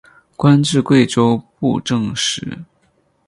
官至贵州布政使。